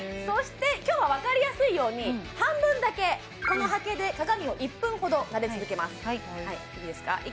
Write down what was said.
そして今日は分かりやすいように半分だけこのハケで鏡を１分ほどなで続けますいいですか？